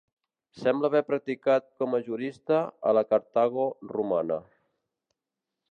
Sembla haver practicat com a jurista a la Cartago romana.